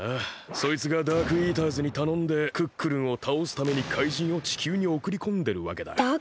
そいつがダークイーターズにたのんでクックルンをたおすために怪人を地球におくりこんでるわけだ。